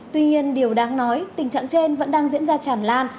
tuy nhiên điều đáng nói tình trạng trên vẫn đang diễn ra tràn lan